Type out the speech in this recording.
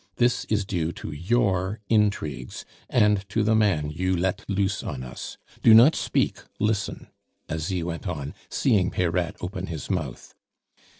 This is due to your intrigues, and to the man you let loose on us. Do not speak, listen!" Asie went on, seeing Peyrade open his mouth.